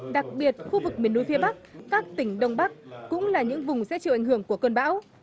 đặc biệt khu vực miền núi phía bắc các tỉnh đông bắc cũng là những vùng sẽ chịu ảnh hưởng của cơn bão